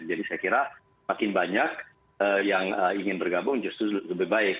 jadi saya kira makin banyak yang ingin bergabung justru lebih baik